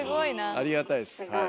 ありがたいですはい。